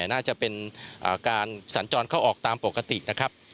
น่าจะเป็นการสัญจรเข้าออกตามปกตินะครับ